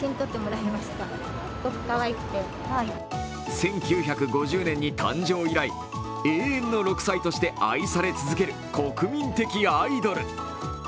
１９５０年に誕生以来、永遠の６歳として愛され続ける国民的アイドル。